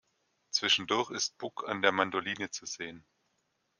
Zwischendurch ist Buck an der Mandoline zu sehen.